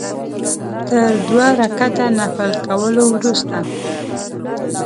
تر دوه رکعته نفل کولو وروسته.